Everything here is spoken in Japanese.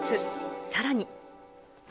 さらに。